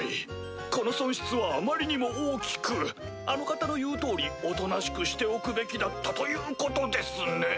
この損失はあまりにも大きくあの方の言う通りおとなしくしておくべきだったということですね。